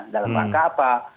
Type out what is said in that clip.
dalam langkah apa